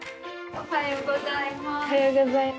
おはようございます。